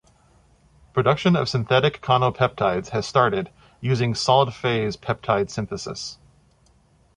Production of synthetic conopeptides has started, using solid-phase peptide synthesis.